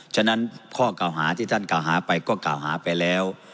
ฉะนั้นข้อกล่าวหาที่ท่านกล่าวหาไปก็กล่าวหาไปแล้ว